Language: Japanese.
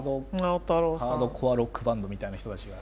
ハードコアロックバンドみたいな人たちが。